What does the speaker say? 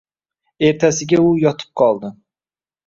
Ertasiga u yotib qoldi.